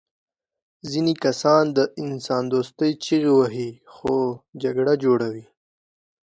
ځینې کسان د انسان دوستۍ چیغې وهي خو جګړه جوړوي